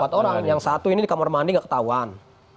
empat orang yang satu ini di kamar mandi nggak ketahuan